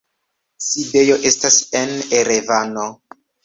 Sidejo estas en Erevano.